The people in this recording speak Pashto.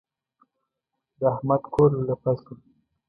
د احمد کور لولپه شو.